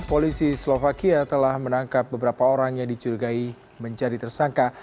polisi slovakia telah menangkap beberapa orang yang dicurigai menjadi tersangka